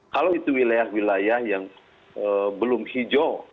kalau itu wilayah wilayah yang belum hijau